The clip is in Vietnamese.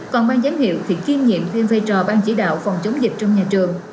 còn ban giám hiệu thì kiên nhiệm thêm phê trò ban chỉ đạo phòng chống dịch trong nhà trường